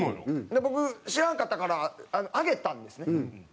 で僕知らんかったからあげたんですね。